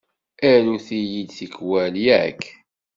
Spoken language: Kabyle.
Arut-iyi-d tikwal, yak?